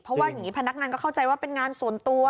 เพราะว่าอย่างนี้พนักงานก็เข้าใจว่าเป็นงานส่วนตัว